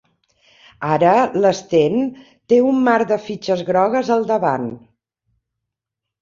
Ara l'Sten té un mar de fitxes grogues al davant.